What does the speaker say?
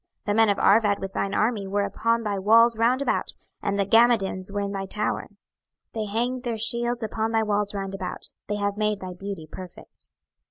26:027:011 The men of Arvad with thine army were upon thy walls round about, and the Gammadims were in thy towers: they hanged their shields upon thy walls round about; they have made thy beauty perfect.